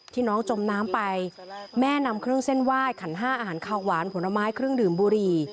น้องจมน้ำไปแม่นำเครื่องเส้นไหว้ขันห้าอาหารขาวหวานผลไม้เครื่องดื่มบุหรี่